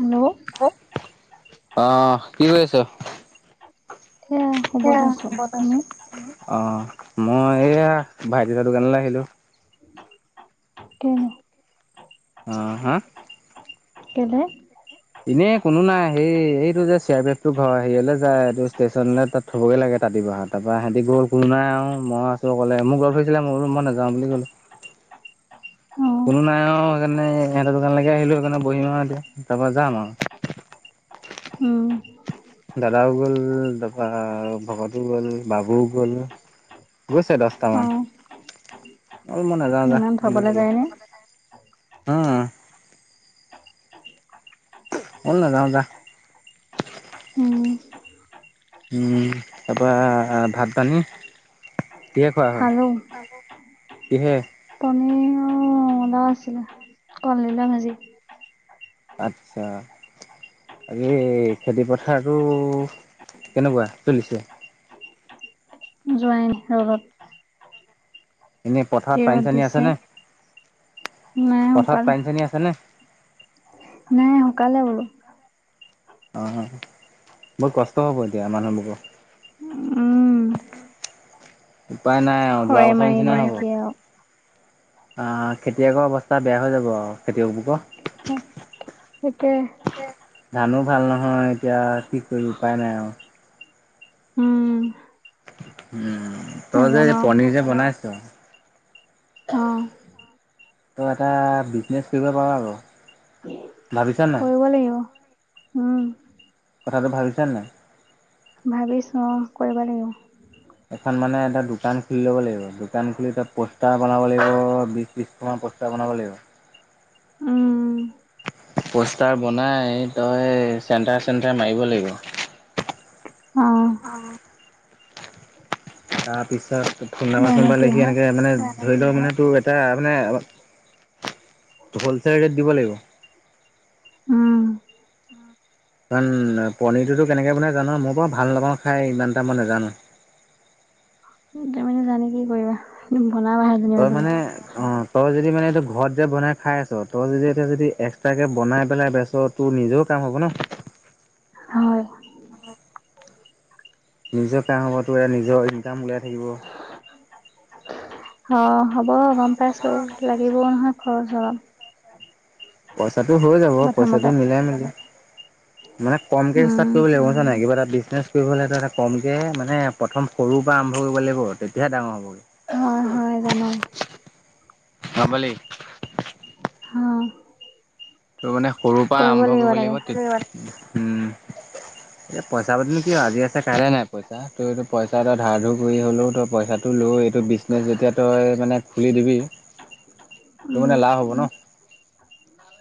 Hello অহ কি কৰি আছ এয়া শুব সেয়া লৈছো তুমি বনাইছো অ মই এয়া ভাইটি দাৰ দোকানলে আহিলো কেলে আহ হা কেলে এনেই কোনো নাই সেই এইটো যে চি আৰ পি এফটোৰ ঘৰ হেয়লৈ যায় এইটো ষ্টেচনলৈ তাত থ'বগৈ লাগে ৰাতিপোৱা [unintelligible] তাহতৰ পৰা সিহঁতে গল কোনো নাই আৰু মই আছো অকলে মোক লগ ধৈছিলে মোক মই বোলো নাযাওঁ বুলি ক'লো [unintelligible] [inaudible] কোনো নাই আৰু সেইকাৰণে ইহঁতেৰ দোকানলৈকে আহিলো সেইকাৰণে বহিম আৰু এতি তাৰ পা যাম আও [unintelligible] [unintelligible] [inaudible] উম দাদাও গ'ল তাৰপৰা ভকতো গ'ল বাবুও গ'ল গৈছে অ দছটামান মই বোলো নযাওঁ যা ইমান বুলি থবলৈ কলো যায়নে অহ মই নাজাওঁ যা উম তাৰ পৰা ভাত পানী কিহে খোৱা হল খালো খালো কিহে পনীৰ [unintelligible] আছিলে কলদিলৰ ভাঁজি আচ্ছা আজি খেতি পথাৰটো কেনেকুৱা চলিছে যোৱাই নাই ৰদত এনেই যি পথাৰত ৰ'দ পানী চানী আছে দিছে নে নাই পথাৰত শুকালে পানী চানী আছে নে নাই শুকালে আৰু অ বহু কষ্ট হ'ব এতিয়া মানুহবোৰৰ উম উপায় নাই অ যোৱা খৰে বছৰ নিচিনাই মাৰিবনে হ'ব কি আৰু অ খেতিয়কৰ অৱস্থা বেয়া হৈ যাব আৰু খেতিয়ক হে সেইটোৱে ধানো ভাল নহয় এতিয়া কি কৰিবি উপায় নাই আও উম উম তই যে নাজানো পনীৰ যে বনাইছ অ তই এটা বিজনেচ কৰিব পাও আক অ কৰিব লাগিব উম কথাটো ভাবিছানে নাই? ভাবিছো কৰিব লাগিব। এখন মানে এটা দোকান খুলি ল'ব লাগিব। দোকান খুলি তাত পোষ্টাৰ বনাব লাগিব- বিশখন মান পোষ্টাৰ বনাব লাগিব। উমঁ। পোষ্টাৰ বনাই তই চেণ্টাৰ চেণ্টাৰ মাৰিব লাগিব। উমঁ। তাৰপিছত ফোন নাম্বাৰ চুন জানো নাম্বাৰ কি লিখি হয় এনেকে মানে- ধৰি লওক মানে তোৰ এটা মানে- হ'লচেল ৰেট দিব লাগিব। উমঁ। কাৰণ পনীৰটোতো কেনেকে বনাই যান। মই টো ভাল নাপাওঁ খাই ইমানটা মই নাজানো। তুমি জানি কি কৰিবা। বনাবাহে যেনিবা তই তুমি মানে অঁ তই যদি- মানে এইটো ঘৰত যে বনাই খাই আছ, তই যদি এতিয়া যদি এক্সট্ৰাকে বনাই পেলাই বেছ তোৰ নিজও কাম হ'ব ন। ন। [unintelligible] হয়। নিজৰ কাম হব তো নিজৰ ইনকাম উলিয়াই থাকিব। অঁ হ'ব গম পাইছো লাগিবও নহয় খৰচ। [unintelligible] পইচাটো হৈ যাব পইচাটো প্ৰথমতে মিলাই মিলি। মানে কমকে উম ষ্টাৰ্ট কৰিব লাগিব গম পাইছা নাই কিবা এটা- বিজনেছ কৰিবলৈ এটা এটা কমকে মানে প্ৰথম সৰুৰ পৰা আৰম্ভ কৰিব লাগিব তেতিয়াহে ডাঙৰ হ'বগৈ। হয় হয় জানো। গম পালি। উমঁ। ত' মানে সৰুৰ পৰা আৰম্ভ কৰিব লাগিব তেতি- উমঁ এ পইচা পাতিনো কি আও আজি আছে কাইলে নাই। পইচা তই এইটো পইচা এটা ধাৰ ধুৰ কৰি হ'লেও তই পইচাটো লৈ এইটো বিজনেজ যেতিয়া তই মানে- খুলি দিবি ত উম মানে লাভ হ'ব ন।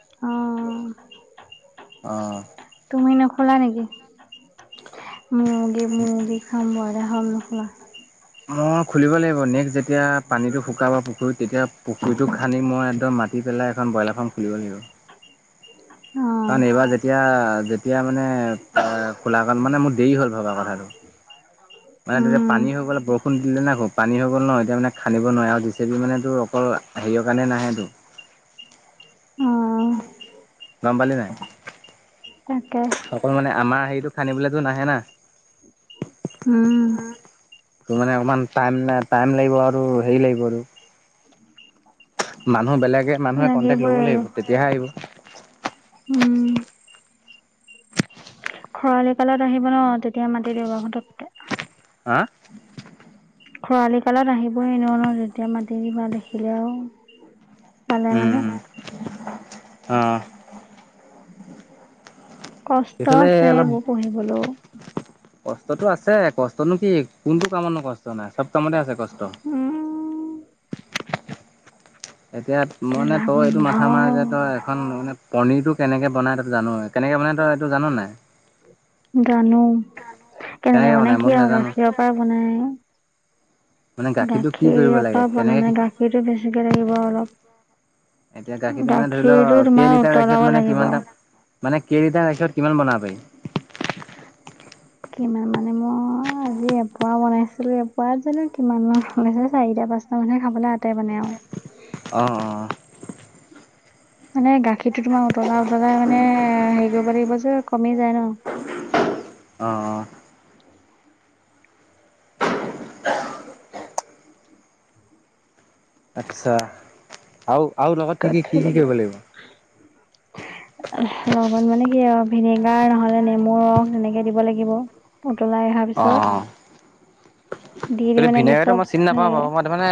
অঁ। অঁ। তুমি নোখোলা নেকি মুগী মুগী ফ্ৰাম ব্ৰইলা ফ্ৰাম নোখোলা মই খুলিব লাগিব, নেক্সট যেতিয়া পানীটো শুকাব পুখুৰীত তেতিয়া পুখুৰীটো খানি মই একদম মাটিত- দি পেলাই এখন ব্ৰইলাৰ ফাৰ্ম খুলিব লাগিব। [inaudible] অ কাৰণ এইবাৰ যেতিয়া যেতিয়া মানে এ খোলা কাল মানে মোৰ দেৰি হ'ল ভবা কথাটো। [inaudible] মানে ততিয়া পানী হৈ গ'লে বৰষুণ দিলে নাই খুব। পানী হৈ গ'ল ন এতিয়া মানে খানিব নোৱাৰে আৰু জেচেপি মানে তোৰ অকল- হেৰিয় কাৰণে নাহে টো। [inaudible] অ গম পালি নাই? তাকে অকল মানে আমাৰ হেৰিটো খান্দিবলৈতো নাহে না। উম ত মানে অকমান টাই টাইম লাগিব আৰু সেৰি লাগিব আৰু। মানুহ বেলেগে মানুহে কন্টেক্ট লাগিবই ল'ব লাগিব আৰু তেতিয়াহে আহিব। উম। খৰালি কালত আহিব ন তেতিয়া মাতি দিব পতককে। হা? খৰালি কালত আহিবই ন ন তেতিয়া মাতি দিবা দেখিলে আও। পালে মানে উম অ কষ্ট সেইফালে আছে এইবোৰ পঢ়িবলো কষ্টতটো আছে কষ্টনো কি কোনটো কামতো কষ্ট নাই চব কামতে আছে কষ্ট। ট উম এতিয়া মানে গেলা তই এইটো গোন্ধ মাথা মাৰ যে তই এখন মানে পনীৰটো কেনেকৈ বনাই তাত জানৈ। কেনেকৈ বনাই তই এইটো জান নাই? জানো কেনেকে বনাই কি আৰু গাখীৰৰ পৰা বনাই। মানে গাখীৰটো কি গাখীৰ কৰিব লাগে পা বনাই কেনেকে মানে কি গাখীৰটো বেছিকে লাগিব অলপ। এতিয়া গাখীৰটো মানে ধৰি লও কেই তোমাৰ লিটাৰ উতলাব গাখীৰত মানে লাগিব কিমানটা মানে কেইলিটাৰ গাখীৰৰ পৰা কিমান বনাব পাৰি কিমান মানে মই আজি এপোৱা বনাইছিলো এপোৱাত জানো কিমান মান হয় চাৰিটা দস্তা মানুহে খাবলৈ আটে মানে আও অ অ মানে গাখীৰটো তোমাৰ উতলাই উতলাই মানে হেৰি কৰিব লাগিব যে কমি যায় ন। [inaudible] অহ অহ আচ্ছা আৰু লগত কি কাক কি কি খাই কি লাগিব কৰিব লগত মানে কি আৰু ভিনেগাৰ নহলে নেমু ৰস এনেকে দিব লাগিব। উতলাই অহাৰ পিছত দি [inaudible] কিন্তু দি মানে ভিনেগাৰটো গেছত মই চিনি হে নাপাওঁ বাৰু মই তাৰমানে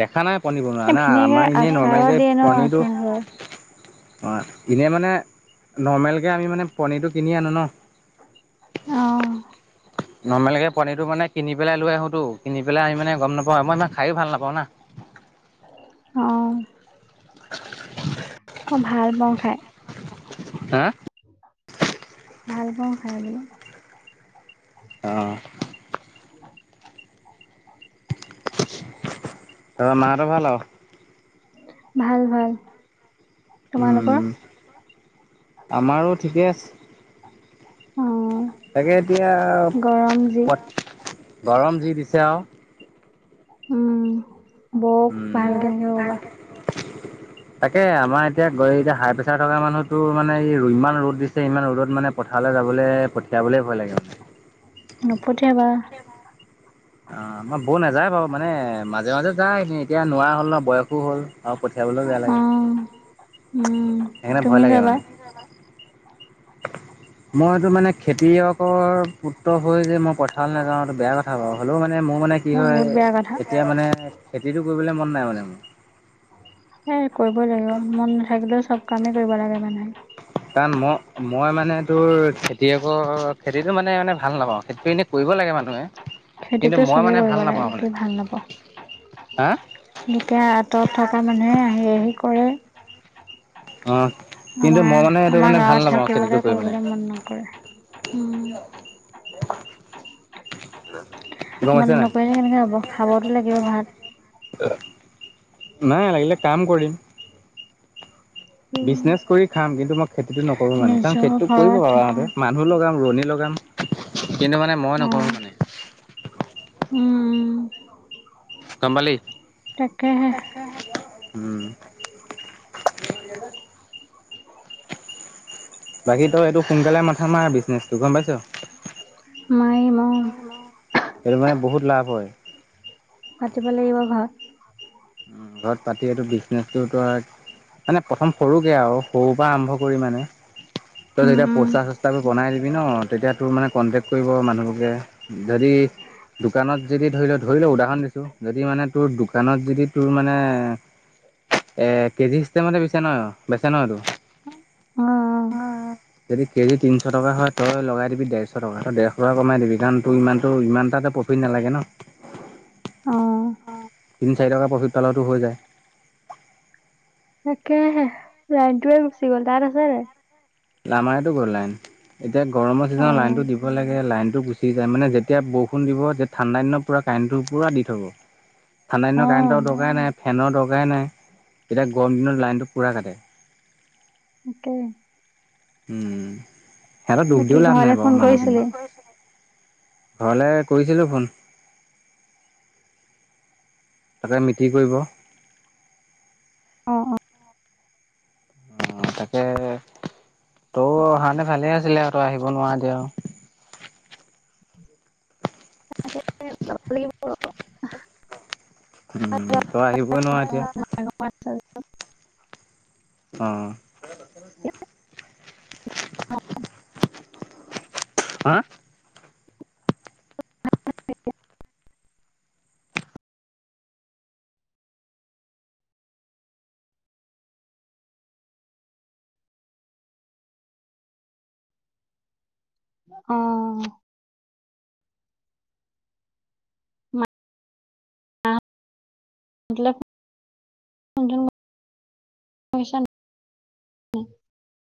দেখা নাই পনীৰ বনোৱা ন আমাৰ এনেই নৰ্মলকে আছে হয়। অ এনেই মানে নৰ্মেলকৈ আমি মানে পনীৰটো কিনি আনো ন। অ নৰ্মেলকে পনীটো মানে কিনি পেলাই লৈ আহো কিনি পেলাই আ মানে গম নাপাওঁ আ মই ইমান খায়ো ভাল নাপাওঁ না। অ [inaudible] মই ভাল পাওঁ খাই। হা ভাল পাওঁ খাই বুলো। আহ [inaudible] ত মাহতৰ ভাল আও? ভাল ভাল তোমালোকৰ উম আমাৰো ঠিকে আছে। অ তাকে এতিয়া গৰম যি প গৰম যি দিছে আৰু উম বৌক উম ভালকে থাকিব ভাল ক'বা তাকে আমাৰ এতিয়া গৈ এতিয়া হাই প্ৰেচাৰ থকা মানুহতো মানে ই ইমান ৰ'দ দিছে। ইমান ৰ'দত মানে পথাৰলৈ যাবলৈ পঠিয়াবলে ভয় লাগে আ। নপঠিয়াবা অ আমাৰ বৌ নাযায় বাৰু মানে মাজে মাজে যায় স এতিয়া নোৱাৰা হ'ল ন বয়সো হ'ল আৰু পঠিয়াবলৈ য [unintelligible] বেয়া লাগে। অ', উম সেইকাৰণে ভয় তুমি লাগে যাবা। মানে। [unintelligible] [inaudible] মইটো মানে খেতিয়কৰ পুত্ৰ হৈ যে মই পথাৰ নাযাওঁটো বেয়া কথা বাৰু। হ'লেও মানে মোৰ মানে কি বহুত হয় বেয়া কথা এতিয়া মানে খেতিতটো কৰিবলে মন নাই মানে মোৰ। সেই কৰিবই লাগিব মন নাথাকিলেও চব কামেই কৰিব লাগে মানে। কাৰণ মই মই মানে তোৰ খেতিয়কৰ খেতিতটো মানে মানে ভাল নাপাওঁ খেতি এনে কৰি। দিব লাগে মানুহে। কিন্তু খেতিটো মই চবেই মানে কৰিব ভাল নাপাওঁ লাগে মানে কি ভাল নাপাও। হা গোটে আঁতৰত থকা মানুহে আহি আহি কৰে। অ কিন্তু আমাৰ মই মানে এইটো মানে আমাৰ ভাল গাঁৱত নাপাওঁ খেতিটো থাকিবলৈ কৰি মানে কৰিবলৈ মন নকৰে। উম [unintelligible] [inaudible] মন পাইছা নাই নকৰিলে কেনেকে হব খাবতো লাগিব ভাত। নাই লাগিলে কাম কৰিম। উম, বিজনেচ কৰি খাম কিন্তু মই খেতিতটো নকৰো মানে কাৰণ নিজৰ খেতিতটো কৰিব ঘৰত থাকি পাৰাঁতে মানুহ লগা। ৰোৱনী লগাম কিন্তু ম মই অ নকৰোঁ মানে উম গম পালি তাকেহে উম বাকী তই এইটো সোনকালে মাথা মাৰ বিজনেচটো গম পাইছ। [unintelligible] মাৰি মহ সেইটো মানে বহুত লাভ হয়। পাতিব লাগিব ঘৰত। উ ঘৰত পাতি এইটো বিজনেচটোতো আৰু মানে প্ৰথম সৰুকে আৰু। সৰু পৰা আৰম্ভ কৰি মানে তই উম যেতিয়া পইচা উম চইচা কৰি বনাই দিলে। বি ন তেতিয়া তোৰ মানে কণ্টেক্ট কৰিব মানুহবোৰে যদি। দোকানত যদি ধৰি ল ধৰি লও উদাহৰণ দিছো যদি মানে তোৰ দোকানত যদি। তোৰ মানে এ কেজি চিষ্টেম বিছে ন বেচে নহ এইটো অ যদি কেজি তিনিশ টকা হয় তই লগাই দিবি ডেৰশ টকা তই ডেৰশ টকা কমাই দিবি কাৰণ তোৰ ইমানতটো ইমানটা [unintelligible] তে পপিত নালাগে ন। অ তিনি চাৰি টকা প্ৰফিট পালটো হৈ যায়। তাকেহে লাইনটো এ গুছি গ'ল তাত আছে নাই [unintelligible] আমাৰ এইয়াতো গ'ল লাইন এতিয়া গৰমৰ অ চিজনৰত লাইনতটো দিব লাগে লাইন টো গুচি যায় মানে যেতিয়া বৰষুণ দিব যেতিয়া ঠাণ্ডা দিনত পুৰা কাৰেণ্টটো পুৰা দি থ'ব। অ ঠাণ্ডাদিনত কাৰেণ্টৰ দৰকাৰেই নাই ফেনৰ দৰকাৰেই নাই এতিয়া গৰম দিনত লাইনটো পোৰা কাটে। [unintelligible] তাকে উম সিহঁতৰ দুখ বাকী দিও লাভ ঘৰলে নাই ফোন বাৰু কৰিছিলি মানুহখিনি ঘৰলৈ কৰিছিলো ফোন তাতে মিটি কৰিব। অ অ অ তাকে তৌ অহাতে ভালে আছ। আছিলে তই আহিব নোৱাৰ দিয় আৰু তোগ [unintelligible] উম তই আহিব নোৱাৰ অ এতিয়া মা ফোন অ', হা [unintelligible] অ ম উ [unintelligible] মল ম [unintelligible] ক [unintelligible]